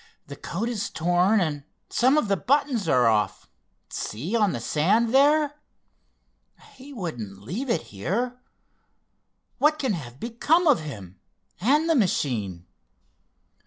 The coat is torn and some of the buttons are off—see, on the sand there. He wouldn't leave it here. What can have become of him, and the machine?"